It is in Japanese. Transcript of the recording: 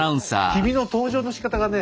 君の登場のしかたがね